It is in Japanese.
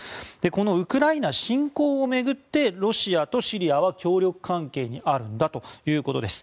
このウクライナ侵攻を巡ってロシアとシリアは協力関係にあるということです。